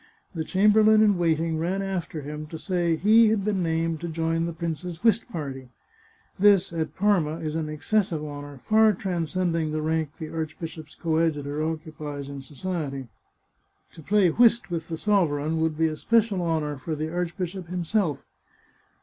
The chamber lain in waiting ran after him to say he had been named to join the prince's whist party. This, at Parma, is an exces sive honour, far transcending the rank the archbishop's co adjutor occupies in society. To play whist with the sover eign would be a special honour for the archbishop himself.